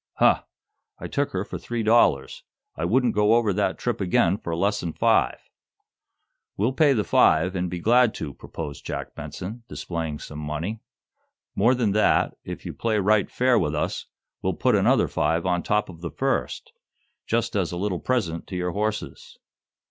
"Huh! I took her for three dollars. I wouldn't go over that trip again for less'n five." "We'll pay the five, and be glad to," proposed Jack Benson, displaying some money. "More than that, if you play right fair with us, we'll put another five on top of the first, just as a little present to your horses."